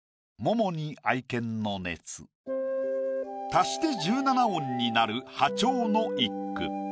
足して１７音になる破調の一句。